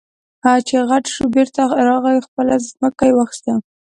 چې غټ شو بېرته راغی خپله ځمکه يې واخېستله.